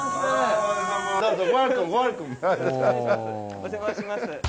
お邪魔します。